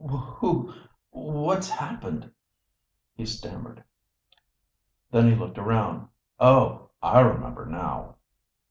"Who what's happened?" he stammered. Then he looked around. "Oh! I remember now!"